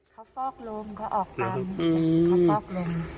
เขาฟอกลมเขาออกตามเขาฟอกลม